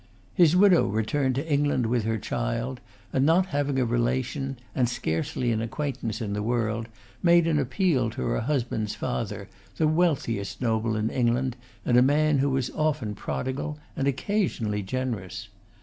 His widow returned to England with her child; and, not having a relation, and scarcely an acquaintance in the world, made an appeal to her husband's father, the wealthiest noble in England and a man who was often prodigal, and occasionally generous.